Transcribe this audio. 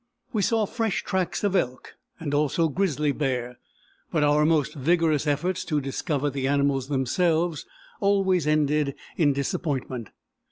We saw fresh tracks of elk, and also grizzly bear, but our most vigorous efforts to discover the animals themselves always ended in disappointment.